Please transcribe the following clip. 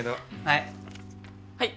はい。